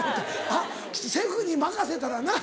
あっシェフに任せたらな。